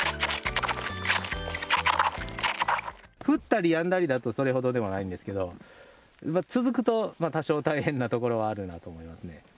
降ったりやんだりだとそれほどでもないんですけれども、続くと多少大変なところはあるなと思いますね。